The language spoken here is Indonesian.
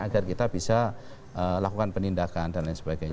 agar kita bisa lakukan penindakan dan lain sebagainya